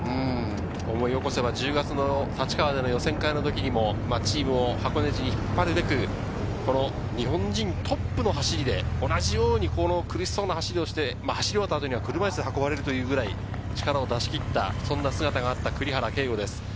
思い起こせば１０月の立川での予選会の時にもチームを箱根路に引っ張るべく、日本人トップの走りで同じように苦しそうな走りをして走り終えた後に車椅子で運ばれるくらい力を出し切った、そんな姿がありました、栗原です。